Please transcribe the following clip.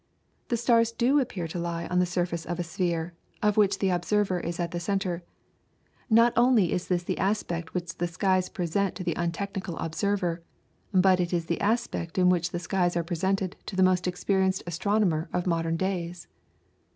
The stars do appear to lie on the surface of a sphere, of which the observer is at the centre; not only is this the aspect which the skies present to the untechnical observer, but it is the aspect in which the skies are presented to the most experienced astronomer of modern days.